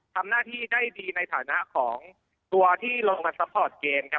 ทำหน้าที่ได้ดีในฐานะของตัวที่ลงมาซัพพอร์ตเกมครับ